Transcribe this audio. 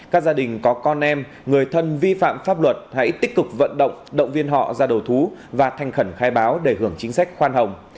các gia đình có con em người thân vi phạm pháp luật hãy tích cực vận động động viên họ ra đầu thú và thành khẩn khai báo để hưởng chính sách khoan hồng